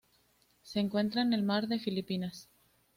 Se encuentra en el Mar de Filipinas.